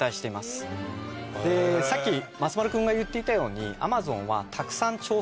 さっき松丸君が言っていたように。